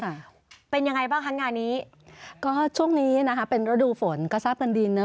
ค่ะเป็นยังไงบ้างคะงานนี้ก็ช่วงนี้นะคะเป็นฤดูฝนก็ทราบกันดีเนอ